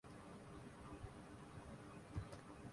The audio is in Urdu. ان کے طویل دور اقتدار نے جانا ہے۔